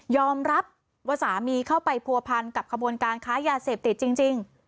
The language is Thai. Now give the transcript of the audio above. รับว่าสามีเข้าไปผัวพันกับขบวนการค้ายาเสพติดจริง